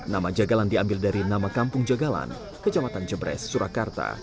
nama jagalan diambil dari nama kampung jagalan kejamatan jebres surakarta